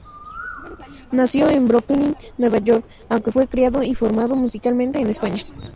Nació en Brooklyn, Nueva York, aunque fue criado y formado musicalmente en España.